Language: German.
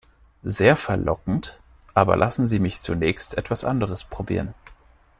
Sehr verlockend, aber lassen Sie mich zunächst etwas anderes probieren.